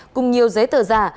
cùng nhiều giấy tờ giả